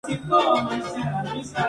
Ponen de cinco a ocho huevos.